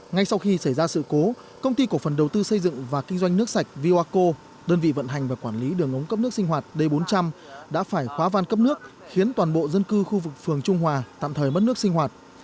ngay sau khi xảy ra sự cố công ty cổ phần đầu tư xây dựng và kinh doanh nước sạch voaco đơn vị vận hành và quản lý đường ống cấp nước sinh hoạt d bốn trăm linh đã phải khóa van cấp nước khiến toàn bộ dân cư khu vực phường trung hòa tạm thời mất nước sinh hoạt